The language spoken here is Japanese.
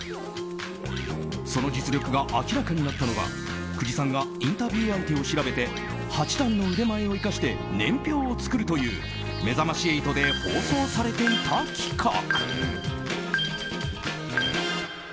その実力が明らかになったのが久慈さんがインタビュー相手を調べて八段の腕前を生かして年表を作るという「めざまし８」で放送されていた企画。